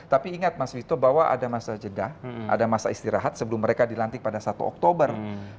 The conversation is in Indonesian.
tapi ingat mas wisto bahwa ada masa jeda ada masa istirahat sebelum mereka dilantik pada satu oktober dua ribu sembilan belas